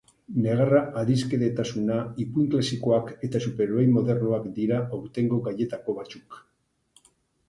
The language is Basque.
Negarra, adiskidetasuna, ipuin klasikoak eta superheroi modernoak dira aurtengo gaietako batzuk.